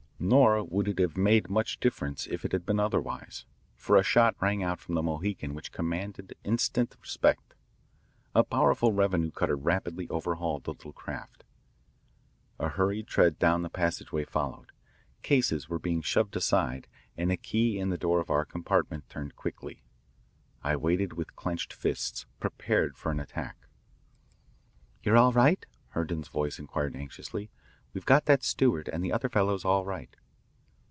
Nor would it have made much difference if it had been otherwise, for a shot rang out from the Mohican which commanded instant respect. The powerful revenue cutter rapidly overhauled the little craft. A hurried tread down the passageway followed. Cases were being shoved aside and a key in the door of our compartment turned quickly. I waited with clenched fists, prepared for an attack. "You're all right?" Herndon's voice inquired anxiously. "We've got that steward and the other fellows all right."